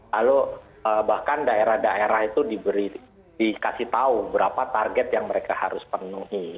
lalu bahkan daerah daerah itu dikasih tahu berapa target yang mereka harus penuhi